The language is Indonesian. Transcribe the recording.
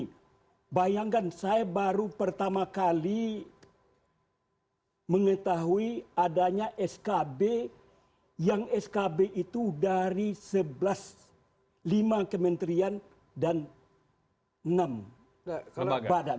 jadi bayangkan saya baru pertama kali mengetahui adanya skb yang skb itu dari lima kementerian dan enam badan